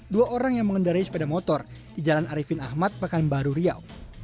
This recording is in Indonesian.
dua orang yang mengendarai sepeda motor di jalan arifin ahmad pekanbaru riau